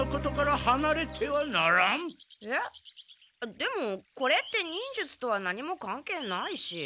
でもこれって忍術とは何も関係ないし。